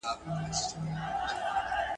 • سره ورغلې دوې روي، سره وې کښلې يوو د بل گروي.